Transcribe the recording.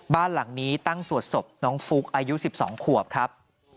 บ้านหลังนี้ตั้งสวดศพน้องฟุ๊กอายุ๑๒ขวบครับ